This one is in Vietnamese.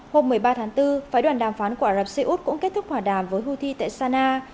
hôm một mươi ba tháng bốn phái đoàn đàm phán của ả rập xê út cũng kết thúc hòa đàm với houthi tại sana